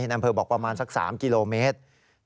อำเภอบอกประมาณสัก๓กิโลเมตร